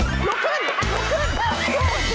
ลุกขึ้น